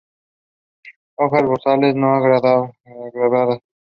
Hojas basales no agregadas.